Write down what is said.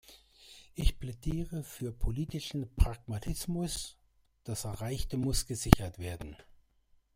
Ich plädiere für politischen Pragmatismus, das Erreichte muss gesichert werden.